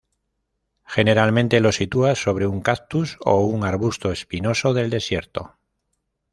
Generalmente lo sitúa sobre un cactus o un arbusto espinoso del desierto.